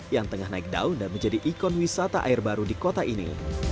yang tengah naik daun dan menjadi ikon wisata air baru di kota ini